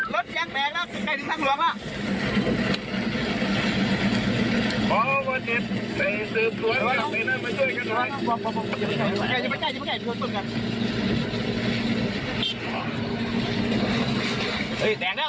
รถยังแตกแล้วหลวกแล้ว